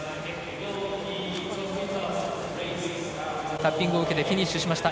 タッピングを受けてフィニッシュしました。